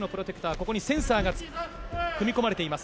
ここにセンサーが埋め込まれています。